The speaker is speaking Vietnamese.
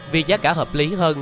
vì giá cả hợp lý hơn